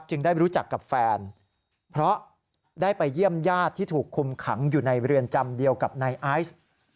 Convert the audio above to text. ได้รู้จักกับแฟนเพราะได้ไปเยี่ยมญาติที่ถูกคุมขังอยู่ในเรือนจำเดียวกับนายไอซ์